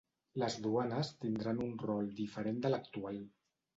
Les duanes tindran un rol diferent de l’actual.